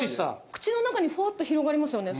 口の中にふわっと広がりますよね。